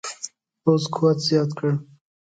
پوځ قوت زیات کړ.